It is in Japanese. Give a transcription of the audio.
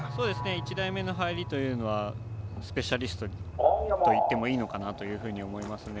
１台目の入りというのはスペシャリストといってもいいのかなと思いますね。